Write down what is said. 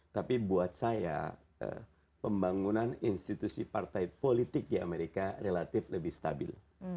tapi buat saya pembangunan institusi partai politik di amerika relatif lebih stabil